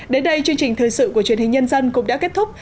đến đây chương trình thời sự của truyền hình nhân dân cũng đã kết thúc